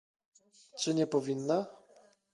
Czy nie powinna?